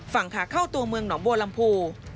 ฝั่งขาเข้าตัวเมืองหนองบัวลำพู